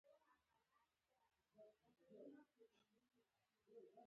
ښوونځی له ظلم سره مبارزه زده کوي